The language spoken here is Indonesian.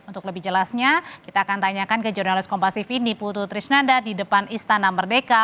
untuk lebih jelasnya kita akan tanyakan ke jurnalis kompasif ini putu trisnanda di depan istana merdeka